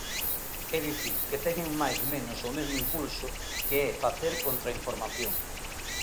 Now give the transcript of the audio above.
É dicir, que teñen máis menos o mesmo impulso, que é facer contrainformación.